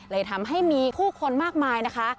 เลยทำให้มีผู้คนมากมายนะคะ